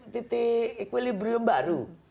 titik equilibrium baru